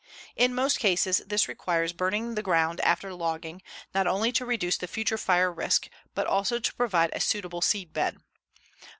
_ In most cases this requires burning the ground after logging, not only to reduce the future fire risk but also to provide a suitable seedbed.